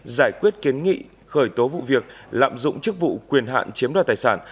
giải quyết kiến nghị khởi tố vụ việc lạm dụng chức vụ quyền hạn chiếm đoạt tài sản